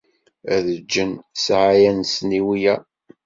Ad d-ǧǧen ssɛaya-nsen i wiyaḍ.